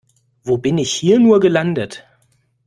Wo bin ich hier nur gelandet?